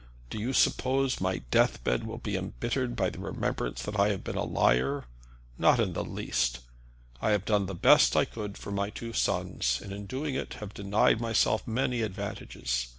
Do you suppose my death bed will be embittered by the remembrance that I have been a liar? Not in the least. I have done the best I could for my two sons, and in doing it have denied myself many advantages.